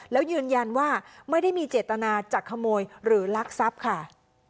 แล้วยืนยันว่าไม่ได้มีเจตนาจะขโมยหรือลักทรัพย์ค่ะ